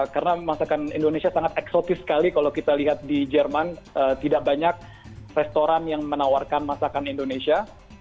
karena masakan indonesia sangat eksotis sekali kalau kita lihat di jerman tidak banyak restoran yang menawarkan masakan indonesia